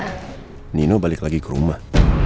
nino balik lagi ke rumah